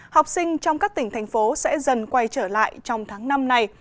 học sinh trong các tỉnh thành phố sẽ dần quay trở lại trong tháng năm này